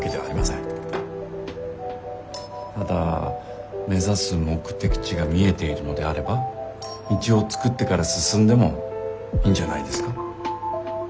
ただ目指す目的地が見えているのであれば道を作ってから進んでもいいんじゃないですか？